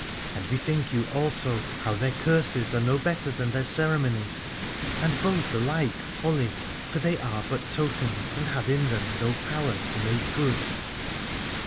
And bethink you also how their curses are no better than their ceremonies, and both alike folly : for they are but tokens and have in them no power to make good.